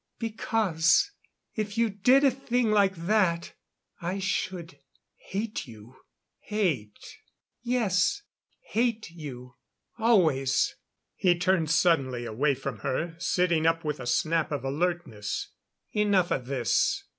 "Because if you did a thing like that I should hate you." "Hate " "Yes. Hate you always." He turned suddenly away from her, sitting up with a snap of alertness. "Enough of this."